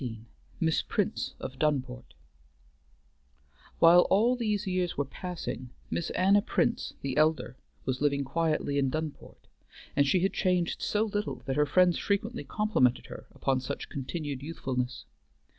XIV MISS PRINCE OF DUNPORT While all these years were passing, Miss Anna Prince the elder was living quietly in Dunport, and she had changed so little that her friends frequently complimented her upon such continued youthfulness.